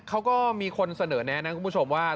เขาก็มีคนเสนอแนะนะคุณผู้ชมว่า